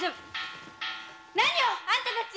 何よあんたたち。